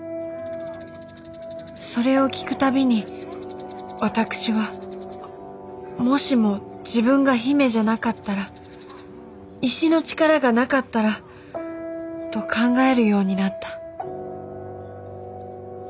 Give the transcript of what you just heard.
それを聞く度に私は「もしも自分が姫じゃなかったら？石の力がなかったら？」と考えるようになった。